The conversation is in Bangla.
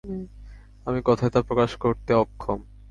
আমি কথায় তা প্রকাশ করতে অক্ষম।